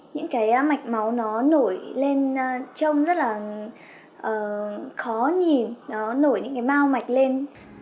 những cái mạch máu nó nổi lên trông rất là khó nhìn nó nổi những cái bao mạch lên